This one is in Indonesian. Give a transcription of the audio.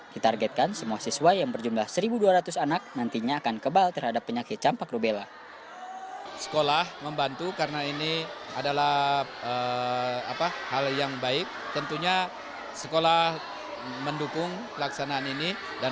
ditargetkan semua siswa yang berjumlah satu dua ratus anak nantinya akan kebal terhadap penyakit campak rubella